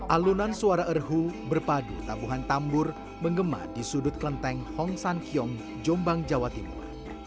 alunan suara erhu berpadu tabuhan tambur mengema di sudut kelenteng hong san kiong jombang jawa timur